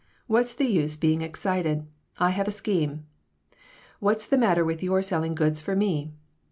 "What's the use being excited? I have a scheme. What's the matter with you selling goods for me?"